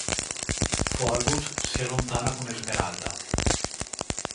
Phoebus si allontana con Esmeralda.